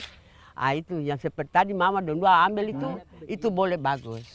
nah itu yang seperti tadi mama dulu ambil itu boleh bagus